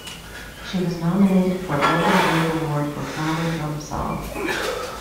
She was nominated for a Golden Globe Award for "Flower Drum Song".